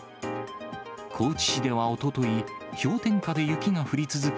高知市ではおととい、氷点下で雪が降り続く